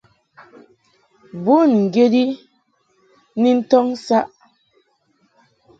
Bùn ŋgyet i ni ntɔŋ saʼ.